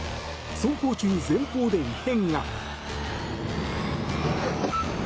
走行中、前方で異変が。